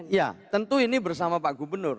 ya tentu ini bersama pak gubernur